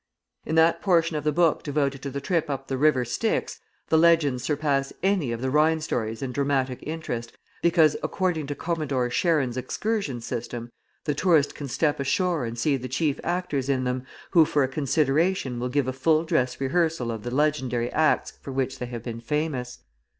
In that portion of the book devoted to the trip up the river Styx the legends surpass any of the Rhine stories in dramatic interest, because, according to Commodore Charon's excursion system, the tourist can step ashore and see the chief actors in them, who for a consideration will give a full dress rehearsal of the legendary acts for which they have been famous.